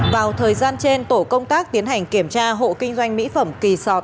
vào thời gian trên tổ công tác tiến hành kiểm tra hộ kinh doanh mỹ phẩm kỳ sọt